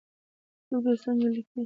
څوک به یې څنګه لیکي ؟